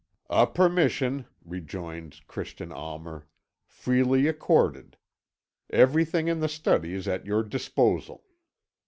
"A permission," rejoined Christian Almer, "freely accorded. Everything in the study is at your disposal.